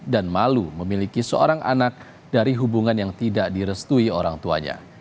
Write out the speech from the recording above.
dan malu memiliki seorang anak dari hubungan yang tidak direstui orang tuanya